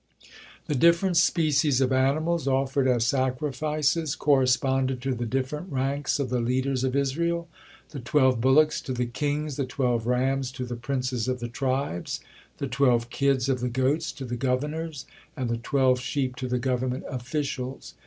The different species of animals offered as sacrifices corresponded to the different ranks of the leaders of Israel. The twelve bullocks to the kings, the twelve rams to the princes of the tribes, the twelve kids of the goats to the governors, and the twelve sheep to the government officials.